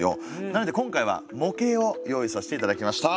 なので今回は模型を用意させて頂きました。